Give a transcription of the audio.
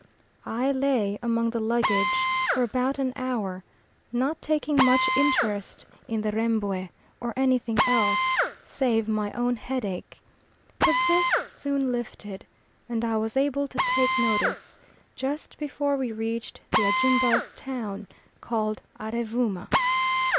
I lay among the luggage for about an hour, not taking much interest in the Rembwe or anything else, save my own headache; but this soon lifted, and I was able to take notice, just before we reached the Ajumba's town, called Arevooma.